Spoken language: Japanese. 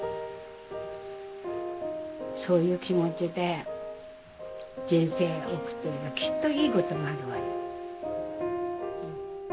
そういう気持ちで人生送ってればきっといいことがあるわよ。